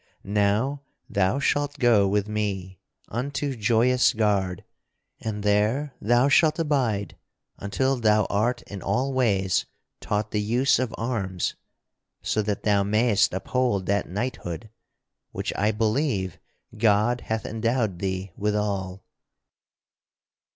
Now thou shalt go with me unto Joyous Gard, and there thou shalt abide until thou art in all ways taught the use of arms so that thou mayst uphold that knighthood which I believe God hath endowed thee withal."